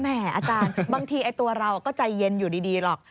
อาจารย์บางทีตัวเราก็ใจเย็นอยู่ดีหรอก